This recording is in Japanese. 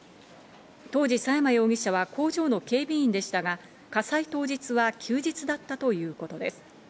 当時、佐山容疑者は工場の警備員でしたが、火災当日は休日だったということです。